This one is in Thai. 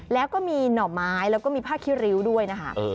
แล้วก็มีหน่อไม้แล้วก็มีผ้าคิริ้วด้วยนะคะ